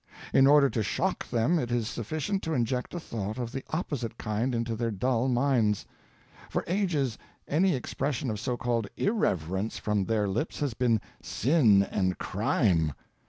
In order to shock them it is sufficient to inject a thought of the opposite kind into their dull minds. For ages, any expression of so called irreverence from their lips has been sin and crime.